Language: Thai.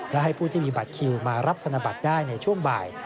และให้ผู้ที่มีบัตรคิวมารับธนบัตรได้ในช่วงบ่าย